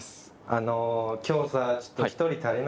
あの今日さちょっと１人足りなくてさ。